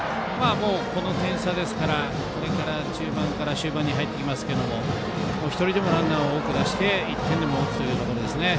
この点差ですからこれから中盤から終盤に入っていきますけど１人でもランナーを多く出して１点でも多くというところですね。